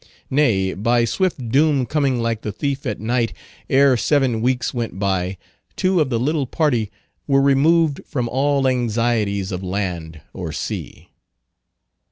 Nay, by swift doom coming like the thief at night, ere seven weeks went by, two of the little party were removed from all anxieties of land or sea.